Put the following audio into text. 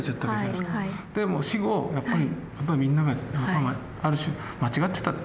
でも死後やっぱりみんながある種間違ってた。